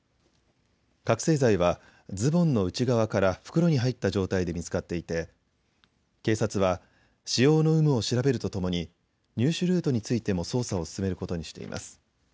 覚醒剤はズボンの内側から袋に入った状態で見つかっていて警察は使用の有無を調べるとともに入手ルートについても捜査を進めることにしています。